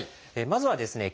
まずはですね